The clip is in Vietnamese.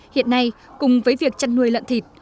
hiện nay cùng với việc chăn nuôi lợn thịt